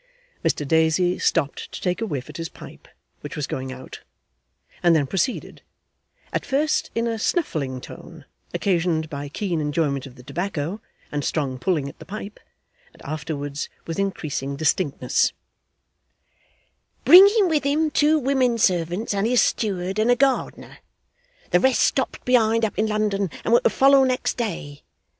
Mr Daisy stopped to take a whiff at his pipe, which was going out, and then proceeded at first in a snuffling tone, occasioned by keen enjoyment of the tobacco and strong pulling at the pipe, and afterwards with increasing distinctness: ' Bringing with him two women servants, and his steward, and a gardener. The rest stopped behind up in London, and were to follow next day.